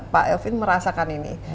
pak elvin merasakan ini